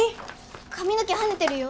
髪の毛はねてるよ。